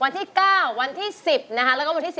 เพลงที่เจ็ดเพลงที่แปดแล้วมันจะบีบหัวใจมากกว่านี้